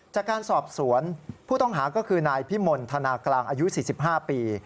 จากการสอบสวนผู้ต้องหาก็คือนายพิมลธนากลางอายุ๔๕ปี